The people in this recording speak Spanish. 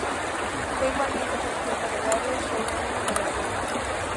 Fue igualmente productor delegado y showrunner de la serie.